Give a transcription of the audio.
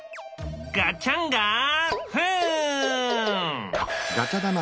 ガチャンガフン！